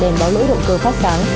đèn báo lưỡi động cơ phát sáng